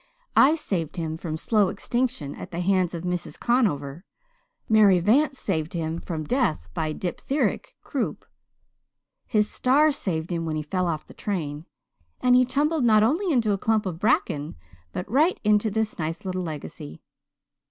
I saved him from slow extinction at the hands of Mrs. Conover Mary Vance saved him from death by diptheritic croup his star saved him when he fell off the train. And he tumbled not only into a clump of bracken, but right into this nice little legacy.